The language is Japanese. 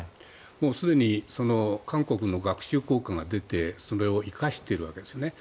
すでに韓国の学習効果が出てそれを生かしているわけですね。